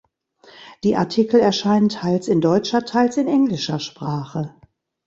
Die Artikel erscheinen teils in deutscher, teils in englischer Sprache.